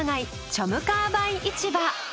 チョムカーバイ市場。